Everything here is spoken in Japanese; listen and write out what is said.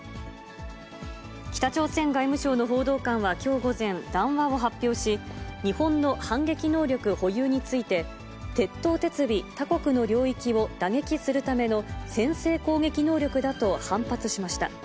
北朝鮮外務省の報道官はきょう午前、談話を発表し、日本の反撃能力保有について、徹頭徹尾、他国の領域を打撃するための、先制攻撃能力だと反発しました。